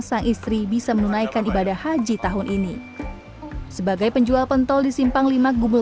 sang istri bisa menunaikan ibadah haji tahun ini sebagai penjual pentol di simpang lima gubul